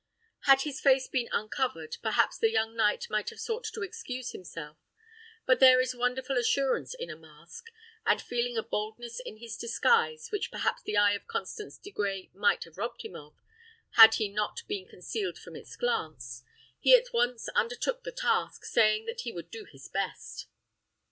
Had his face been uncovered, perhaps the young knight might have sought to excuse himself; but there is wonderful assurance in a mask; and feeling a boldness in his disguise, which perhaps the eye of Constance de Grey might have robbed him of, had he not been concealed from its glance, he at once undertook the task, saying that he would do his best.